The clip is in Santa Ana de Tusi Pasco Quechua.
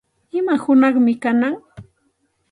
¿Ima hunaqmi kanan?